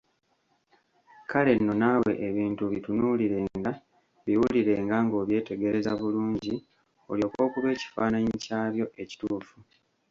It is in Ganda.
Kale nno naawe ebintu bitunuulirenga, biwulirenga ng'obyetegereza bulungi, olyoke okube ekifaananyi kyabyo ekituufu.